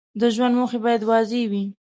د ژوند موخې باید واضح وي.